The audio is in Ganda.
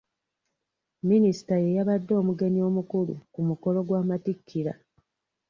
Minisita ye yabadde omugenyi omukulu ku mukolo gw'amattikira..